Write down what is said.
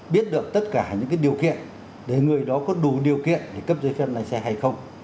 biết được tất cả những điều kiện để người đó có đủ điều kiện để cấp giấy phép lái xe hay không